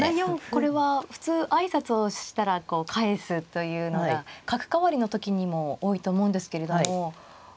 これは普通挨拶をしたらこう返すというのが角換わりの時にも多いと思うんですけれども。